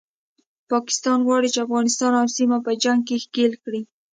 پاکستان غواړي چې افغانستان او سیمه په جنګ کې ښکیل کړي